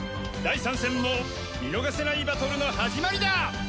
第３戦も見逃せないバトルの始まりだ。